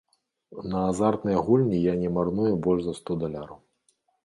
На азартныя гульні я не марную больш за сто даляраў.